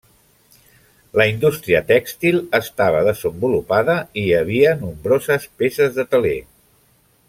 La indústria tèxtil estava desenvolupada i hi havia nombroses peces de teler.